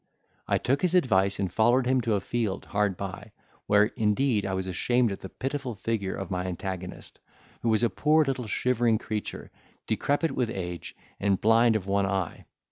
I took his advice and followed him to a field hard by, where indeed I was ashamed at the pitiful figure of my antagonist, who was a poor little shivering creature, decrepit with age, and blind of one eye.